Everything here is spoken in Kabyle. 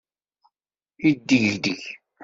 Yeddegdeg.